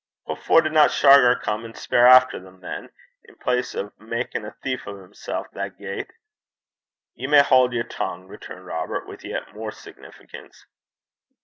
'What for didna Shargar come an' speir efter them, than, in place o' makin' a thief o' himsel' that gait?' 'Ye may haud yer tongue,' returned Robert, with yet more significance.